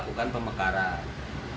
saya ingin melakukan pemekaran